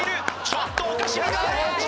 ちょっとおかしな動き。